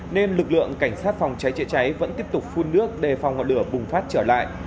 nên lực lượng cảnh sát phòng cháy chế cháy vẫn tiếp tục phun nước để phòng hỏa lửa bùng phát trở lại